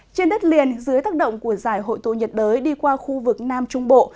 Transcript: trên đất liền dưới tác động của giải hội tụ nhiệt đới đi qua khu vực nam trung bộ